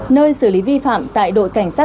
nơi xử lý vi phạm tại đội cảnh sát